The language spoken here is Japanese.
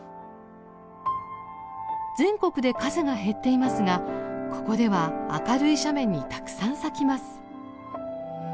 全国で数が減っていますがここでは明るい斜面にたくさん咲きます。